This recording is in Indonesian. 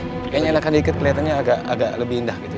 kayaknya elakkan diikat keliatannya agak lebih indah gitu ya